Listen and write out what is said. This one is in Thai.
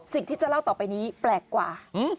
สิ่งที่จะเล่าต่อไปนี้แปลกกว่า